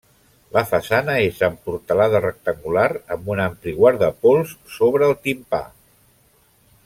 La façana és amb portalada rectangular amb un ampli guardapols sobre el timpà.